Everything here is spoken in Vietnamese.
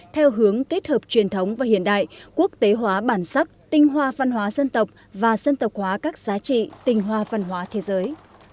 theo hướng kết hợp truyền thống và hiện đại quốc tế hóa bản sắc tinh hoa văn hóa dân tộc và dân tộc hóa các giá trị tinh hoa văn hóa thế giới